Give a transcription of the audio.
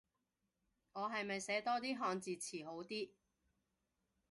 我係咪寫多啲漢字詞好啲